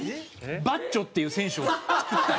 バッチョっていう選手を作った。